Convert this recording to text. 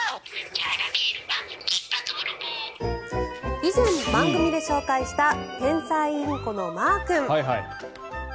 以前、番組で紹介した天才インコのまー君。